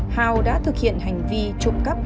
hào đã thực hiện hành vi trộm cắp